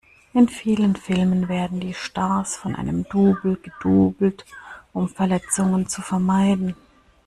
In vielen Filmen werden die Stars von einem Double gedoublet um Verletzungen zu vermeiden.